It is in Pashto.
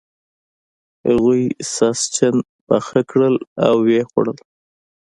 هغوی ساسچن پاخه کړل او و یې خوړل.